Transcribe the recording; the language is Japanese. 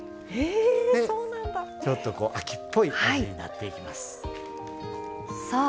ちょっと秋っぽい風味になってきます。